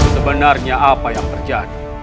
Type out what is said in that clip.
sebenarnya apa yang terjadi